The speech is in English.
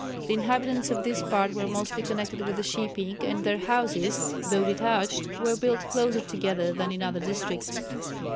The inhabitants of this part were mostly connected with the shipping, and their houses though detached were built closer together than in other districts.